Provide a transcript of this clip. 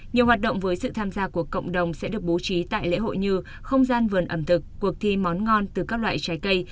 nhiều hoạt động với sự tham gia của cộng đồng sẽ được bố trí tại lễ hội như không gian vườn ẩm thực cuộc thi món ngon từ các loại trái cây